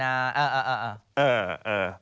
เออเออเออ